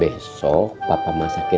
besok papa masakin sambal keseluruhan ya